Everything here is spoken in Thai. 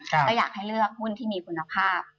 ก็อยากให้เลือกหุ้นที่มีคุณภาพ